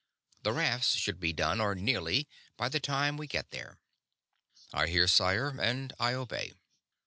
The rafts should be done, or nearly, by the time we get there." "I hear, sire, and I obey."